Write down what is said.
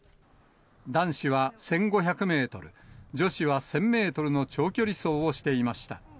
男子は１５００メートル、女子は１０００メートルの長距離走をしていました。